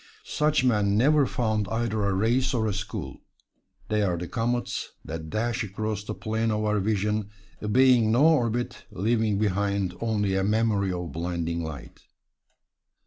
Such men never found either a race or a school. They are the comets that dash across the plane of our vision, obeying no orbit, leaving behind only a memory of blinding light.